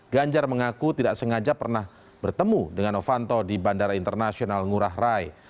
ganjar mengaku tidak sengaja pernah bertemu dengan novanto di bandara internasional ngurah rai